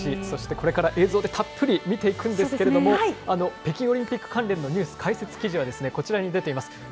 そしてこれから映像でたっぷり見ていくんですけれども、北京オリンピック関連のニュース・解説記事はこちらに出ています。